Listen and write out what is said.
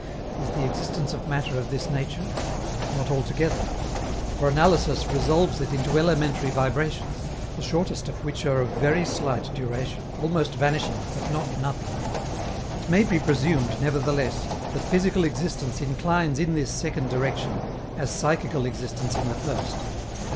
Is the existence of matter of this nature? Not altogether, for analysis resolves it into elementary vibrations, the shortest of which are of very slight duration, almost vanishing, but not nothing. It may be presumed, nevertheless, that physical existence inclines in this second direction, as psychical existence in the first.